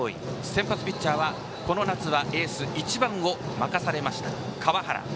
先発ピッチャーはこの夏はエース、１番を任されました川原。